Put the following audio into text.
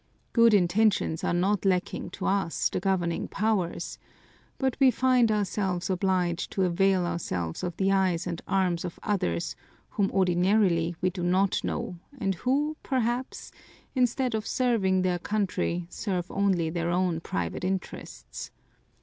Good intentions are not lacking to us, the governing powers, but we find ourselves obliged to avail ourselves of the eyes and arms of others whom ordinarily we do not know and who perhaps, instead of serving their country, serve only their own private interests.